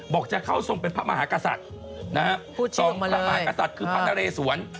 บอกจะเข้าทรงเป็นพระมหากษัตริย์พระมหากษัตริย์คือพระนเรศวร